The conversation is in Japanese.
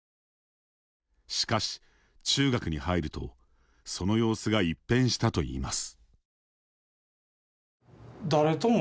しかし、中学に入るとその様子が一変したといいます。